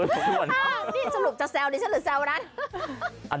นี่สรุปจะแซวดิฉันหรือแซวนั้น